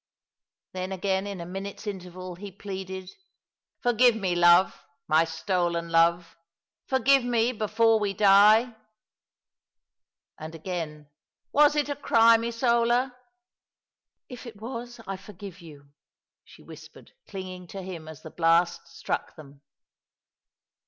" Then again, in a minute's interval, he plealjd, "Forgive me, love; my stolen love, forgive me before we die !*' And again, " Was it a crime, Isola ?"" If it Y/as, I forgive you !'' she whispered, clinging to him as the blast struck them.